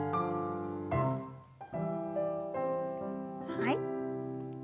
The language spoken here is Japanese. はい。